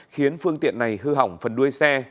khiến phương tiện này hư hỏng phần đuôi xe